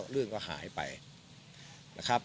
เรื่องก็หายไปนะครับ